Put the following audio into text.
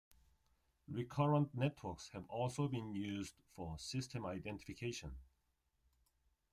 Recurrent networks have also been used for system identification.